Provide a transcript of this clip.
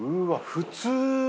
普通。